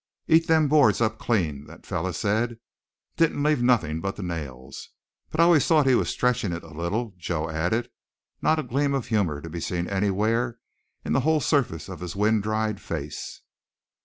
Eat them boards up clean, that feller said. Didn't leave nothin' but the nails. But I always thought he was stretchin' it a little," Joe added, not a gleam of humor to be seen anywhere in the whole surface of his wind dried face.